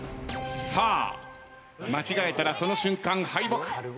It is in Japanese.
さあ間違えたらその瞬間敗北。